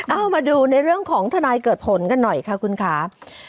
เอามาดูในเรื่องของทนายเกิดผลกันหน่อยค่ะคุณครับ